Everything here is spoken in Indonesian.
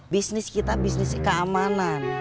bisnis kita bisnis keamanan